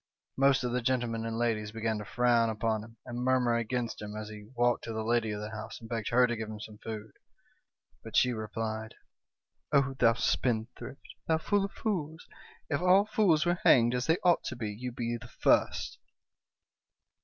" Most of the gentlemen and ladies began to frown upon him, and murmur against him, as he walked to the lady of the house and begged her to give him some food, but she replied :"' Oh, thou spendthrift ! thou fool of fools ! if all fools were hanged, as they ought to be, you 'd be the first.'